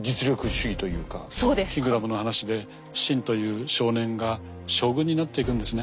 「キングダム」の話で信という少年が将軍になっていくんですね。